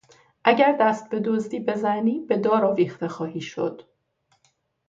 اگر دست به دزدی بزنی به دار آویخته خواهی شد.